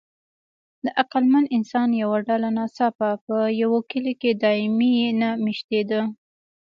د عقلمن انسان یوه ډله ناڅاپه په یوه کلي کې دایمي نه مېشتېده.